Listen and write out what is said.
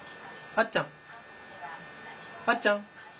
あっちゃん？